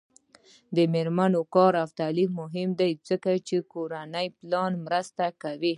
د میرمنو کار او تعلیم مهم دی ځکه چې کورنۍ پلان مرسته کوي.